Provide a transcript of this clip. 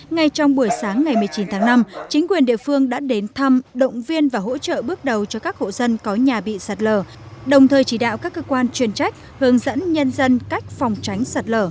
ngay trong buổi sáng ngày một mươi chín tháng năm chính quyền địa phương đã đến thăm động viên và hỗ trợ bước đầu cho các hộ dân có nhà bị sạt lở đồng thời chỉ đạo các cơ quan chuyên trách hướng dẫn nhân dân cách phòng tránh sạt lở